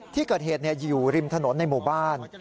ที่เกิดเหตุอยู่ริมถนนในหมู่บ้าน